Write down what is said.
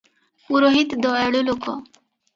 ପୁରୋହିତ ଦୟାଳୁ ଲୋକ ।